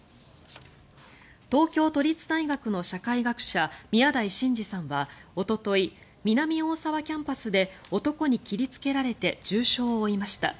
東京都立大学の社会学者宮台真司さんはおととい南大沢キャンパスで男に切りつけられて重傷を負いました。